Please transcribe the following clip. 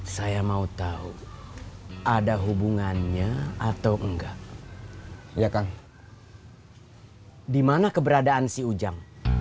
saya baru kenal